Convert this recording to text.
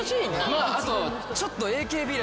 まああとちょっと。